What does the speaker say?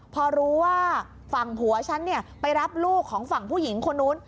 พอรู้ว่าฝั่งผัวฉันไปรับลูกของฝั่งผู้หญิงคนนู้น